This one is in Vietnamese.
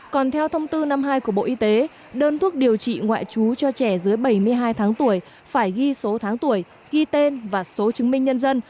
còn theo thông tư năm mươi hai của bộ y tế đơn thuốc điều trị ngoại trú cho trẻ dưới bảy mươi hai tháng tuổi phải ghi số tháng tuổi ghi tên và số chứng minh nhân dân